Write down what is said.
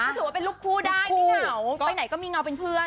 ก็ถือว่าเป็นลูกคู่ได้ไม่เหงาไปไหนก็มีเงาเป็นเพื่อน